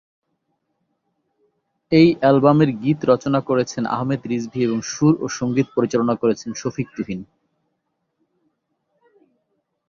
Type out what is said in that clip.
এই অ্যালবামের গীত রচনা করেছেন আহমেদ রিজভী এবং সুর ও সঙ্গীত পরিচালনা করেছেন শফিক তুহিন।